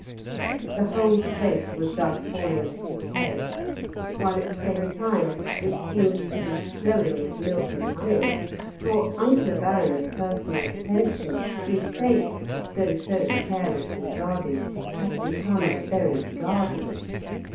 The whole place was thus falling to decay, while at the same time it seemed to be flowing with milk and honey, for under the Baron's personal attention the estate, though so carelessly guarded, had become a very garden.